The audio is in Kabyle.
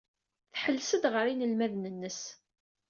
Tḥelles-d ɣer yinelmaden-nnes.